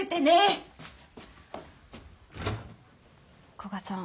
古賀さん